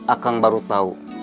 akang baru tahu